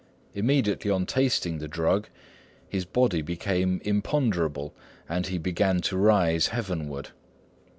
Immediately on tasting the drug, his body became imponderable, and he began to rise heavenward.